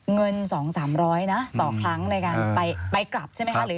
เงิน๒๓๐๐ต่อครั้งในการไปกลับ